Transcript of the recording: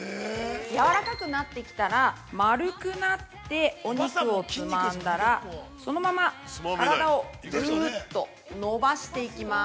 ◆やわらかくなってきたら丸くなって、お肉をつまんだらそのまま体をぐうっと伸ばしていきます。